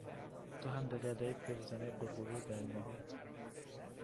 تو هم داری ادای پیرزنای غُرغُرو رو در میاری